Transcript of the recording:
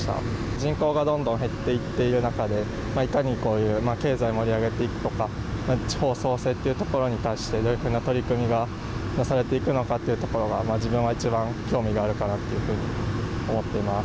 人口がどんどん減っていっている中で、いかにこういう経済を盛り上げていくとか地方創生というところに対しどういうふうな取り組みがなされていくのかというところが自分は一番興味があるかなというふうに思っています。